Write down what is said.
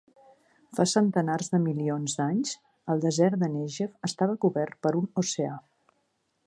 Fa centenars de milions d'anys, el desert de Negev estava cobert per un oceà.